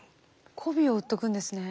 こびを売っとくんですね。